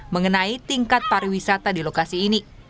mengenai tingkat pariwisata di lokasi ini